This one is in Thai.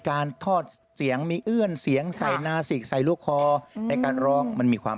การทอดเสียงมีเอื้อนเสียงใส่นาสิกใส่ลูกคอในการร้องมันมีความ